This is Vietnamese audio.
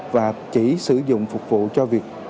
và chỉ sử dụng phục vụ cho việc